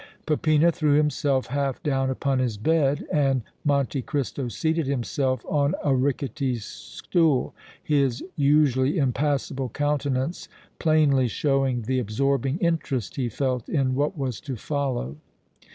Peppino threw himself half down upon his bed and Monte Cristo seated himself on a rickety stool, his usually impassible countenance plainly showing the absorbing interest he felt in what was to follow.